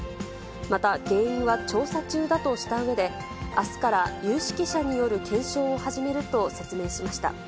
また原因は調査中だとしたうえで、あすから有識者による検証を始めると説明しました。